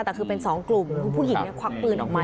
แต่คือเป็น๒กลุ่มคุณผู้หญิงควักปืนออกมา